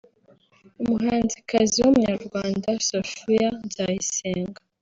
umuhanzikazi w’Umunyarwanda Sophia Nzayisenga